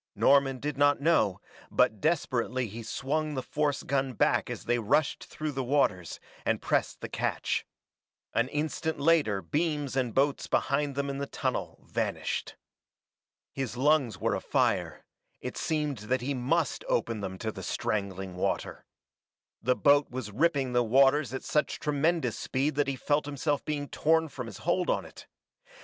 Norman did not know, but desperately he swung the force gun back as they rushed through the waters, and pressed the catch. An instant later beams and boats behind them in the tunnel vanished. His lungs were afire; it seemed that he must open them to the strangling water. The boat was ripping the waters at such tremendous speed that he felt himself being torn from his hold on it.